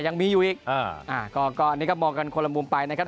ยังมีอยู่อีกอ่าอ่าก็อันนี้ก็มองกันคนละมุมไปนะครับ